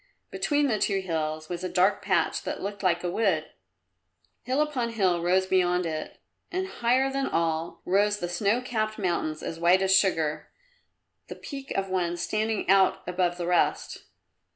Between the two hills was a dark patch that looked like a wood; hill upon hill rose beyond it, and higher than all rose the snow capped mountains as white as sugar, the peak of one standing out above the rest.